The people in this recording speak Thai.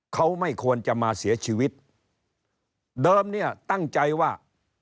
เขาไม่ควรจะมาเสียชีวิตเดิมเนี่ยตั้งใจว่า